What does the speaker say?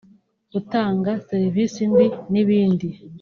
gutanga serivisi mbi n’ibindi